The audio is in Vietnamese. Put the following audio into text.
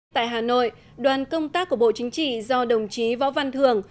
tại hà nội đoàn công tác của bộ chính trị do đồng chí võ văn thường